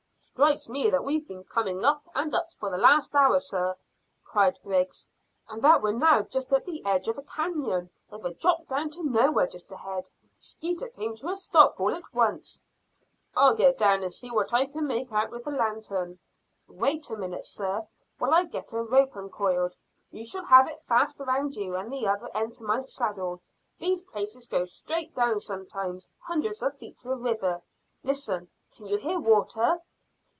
"Strikes me that we've been coming up and up for the last hour, sir," said Griggs, "and that we're now just at the edge of a canon with a drop down to nowhere just ahead. Skeeter came to a stop all at once." "I'll get down and see what I can make out with the lanthorn." "Wait a minute, sir, while I get a rope uncoiled. You shall have it fast round you and the other end to my saddle. These places go straight down sometimes hundreds of feet to a river. Listen! Can you hear water?"